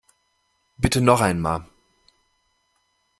Bitte noch einmal!